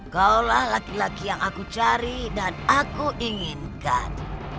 kaulah laki laki yang aku cari dan aku inginkan